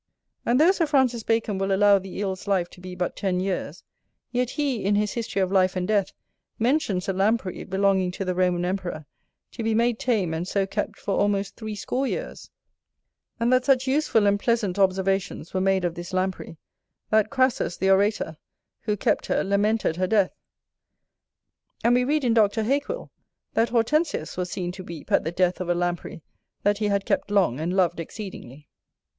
And though Sir Francis Bacon will allow the Eel's life to be but ten years, yet he, in his History of Life and Death, mentions a Lamprey, belonging to the Roman emperor, to be made tame, and so kept for almost threescore years; and that such useful and pleasant observations were made of this Lamprey, that Crassus the orator, who kept her, lamented her death; and we read in Doctor Hakewill, that Hortensius was seen to weep at the death of a Lamprey that he had kept long, and loved exceedingly.